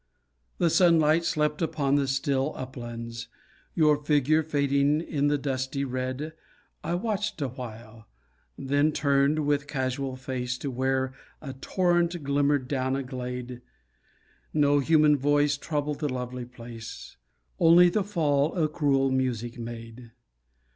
The sunlight slept upon the still uplands, Your figure fading in the dusty red I watched awhile, then turned with casual face To where a torrent glimmered down a glade, No human voice troubled the lovely place, Only the fall a cruel music made.